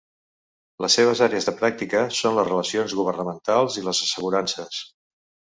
Les seves àrees de pràctica són les relacions governamentals i les assegurances.